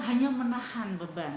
hanya menahan beban